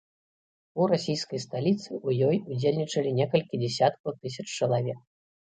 У расійскай сталіцы ў ёй удзельнічалі некалькі дзесяткаў тысяч чалавек.